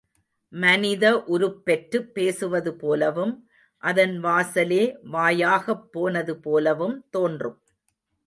மனித உருப்பெற்று பேசுவதுபோலவும், அதன் வாசலே, வாயாகப் போனது போலவும் தோன்றும்.